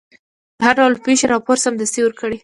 د هر ډول پېښې راپور سمدستي ورکړئ.